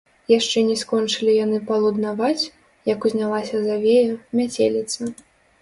Яшчэ не скончылі яны палуднаваць, як узнялася завея, мяцеліца.